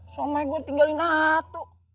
somai gue tinggalin satu